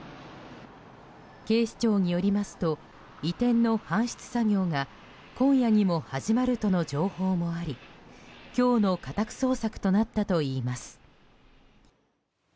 警視庁によりますと移転の搬出作業が今夜にも始まるとの情報もあり今日の家宅捜索となったといいます。